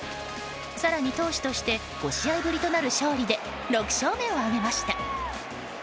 更に投手として５試合ぶりとなる勝利で６勝目を挙げました。